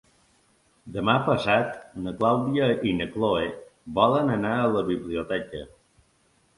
Demà passat na Clàudia i na Cloè volen anar a la biblioteca.